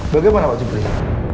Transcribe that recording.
bagaimana pak jokrim